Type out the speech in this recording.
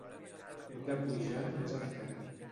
Hem de pujar més encara.